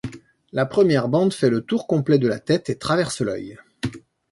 La première bande fait le tour complet de la tête et traverse l’œil.